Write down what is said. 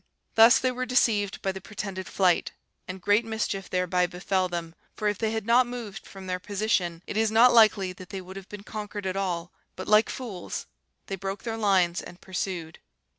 "Thus they were deceived by the pretended flight, and great mischief thereby befell them; for if they had not moved from their position, it is not likely that they would have been conquered at all; but like fools they broke their lines and pursued.